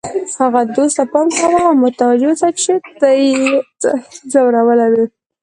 هغه دوست ته پام کوه او متوجه اوسه چې تا یې ځورولی وي.